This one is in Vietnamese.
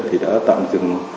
thì đã tạm dừng